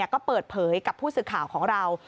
ก็เปิดเผยกับผู้สื่อข่าวของเรา